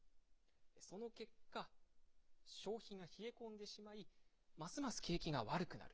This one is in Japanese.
その結果、消費が冷え込んでしまい、ますます景気が悪くなる。